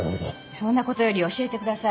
そんな事より教えてください。